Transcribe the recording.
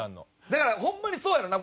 だからホンマにそうやろうな。